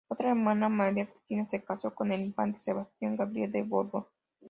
Otra hermana, María Cristina, se casó con el infante Sebastián Gabriel de Borbón.